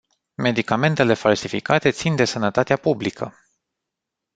Medicamentele falsificate țin de sănătatea publică.